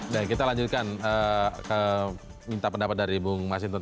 dan kita lanjutkan minta pendapat dari bung mas indra